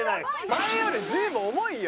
前より随分重いよ。